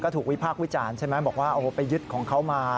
ถูกวิพากษ์วิจารณ์ใช่ไหมบอกว่าโอ้โหไปยึดของเขามา